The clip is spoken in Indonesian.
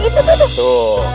itu tuh tuh